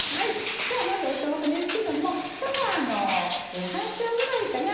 じゃあまずお豆腐ですけども今日は半丁ぐらいかな？